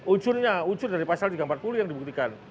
unsurnya unsur dari pasal tiga ratus empat puluh yang dibuktikan